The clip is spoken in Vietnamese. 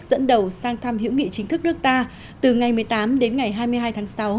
dẫn đầu sang thăm hữu nghị chính thức nước ta từ ngày một mươi tám đến ngày hai mươi hai tháng sáu